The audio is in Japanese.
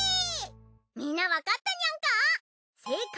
みんなわかったニャンか？